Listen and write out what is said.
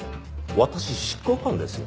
私執行官ですよ。